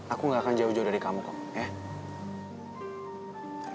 aku gak akan jauh jauh dari kamu kok